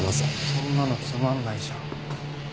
そんなのつまんないじゃん。